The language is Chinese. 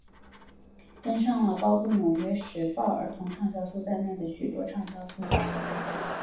登上了包括纽约时报儿童畅销书在内的许多畅销书榜。